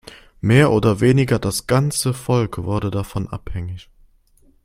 Mehr oder weniger das ganze Volk wurde davon abhängig.